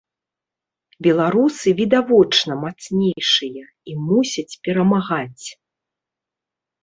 Беларусы, відавочна, мацнейшыя, і мусяць перамагаць.